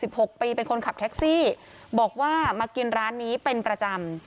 หกปีเป็นคนขับแท็กซี่บอกว่ามากินร้านนี้เป็นประจำ